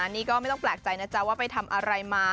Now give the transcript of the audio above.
นี่ก็ไม่ต้องแปลกใจนะจ๊ะว่าไปทำอะไรมา